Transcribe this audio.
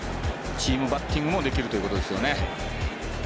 チームバッティングもできるということですよね。